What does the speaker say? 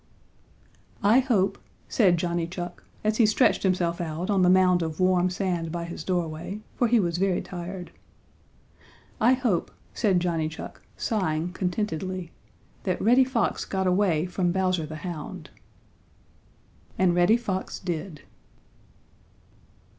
"I hope," said Johnny Chuck, as he stretched himself out on the mound of warm sand by his doorway, for he was very tired, "I hope," said Johnny Chuck, sighing contentedly, "that Reddy Fox got away from Bowser the Hound!" And Reddy Fox did.